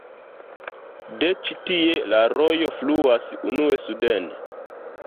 De ĉi-tie la rojo fluas unue suden.